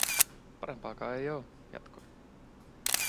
"Parempaakaa ei oo", jatkoin.